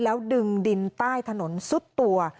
แล้วดึงดินใต้ถนนซุดตัว